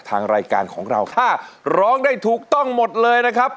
ทางรายการของเราถ้าร้องได้ถูกต้องหมดเลยนะครับ